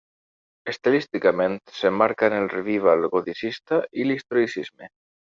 Estilísticament s'emmarca en el revival goticista i l'historicisme.